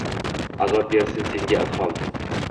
Azob bersin senga ilhom